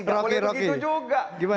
gak boleh begitu juga